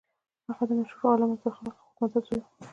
هغه د مشهور عالم عبدالخالق اخوندزاده زوی و.